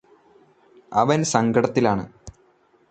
അവന് സങ്കടത്തിലാണ്